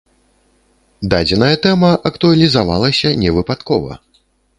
Дадзеная тэма актуалізавалася не выпадкова.